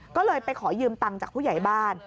ก็เลยไปขอยืมตังค์จากผู้ใหญ่บ้าน